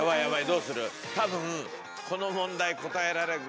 どうする？